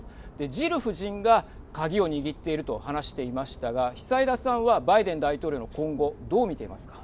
ジル夫人が鍵を握っていると話していましたが久枝さんはバイデン大統領の今後どう見ていますか。